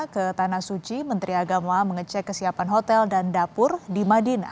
ke tanah suci menteri agama mengecek kesiapan hotel dan dapur di madinah